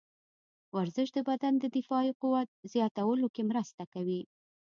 ورزش د بدن د دفاعي قوت زیاتولو کې مرسته کوي.